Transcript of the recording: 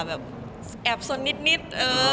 แบบแอบส้นนิดน่ารักดี